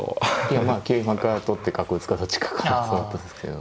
いやまあ桂馬から取って角打つかどっちかかなと思ったんですけど。